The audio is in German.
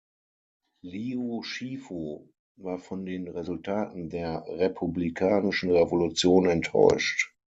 Liu Shifu war von den Resultaten der republikanischen Revolution enttäuscht.